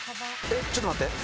ちょっと待って。